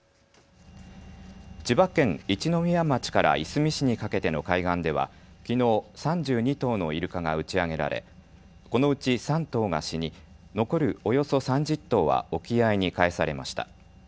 千葉県一宮町からいすみ市にかけての海岸ではきのう３２頭のイルカが打ち上げられこのうち３頭が死に残るおよそ３０頭は沖合に帰されました。